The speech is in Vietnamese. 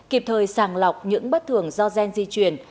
kịp thời sàng lọc những bất thường do gen di chuyển